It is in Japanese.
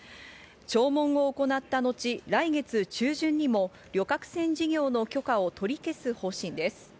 聴聞を行った後、来月中旬にも旅客船事業の許可を取り消す方針です。